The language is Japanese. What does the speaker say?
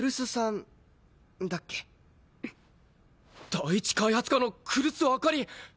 第一開発課の来栖朱莉！